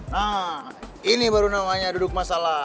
nah ini baru namanya duduk masalah